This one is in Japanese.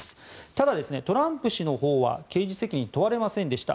ただ、トランプ氏のほうは刑事責任を問われませんでした。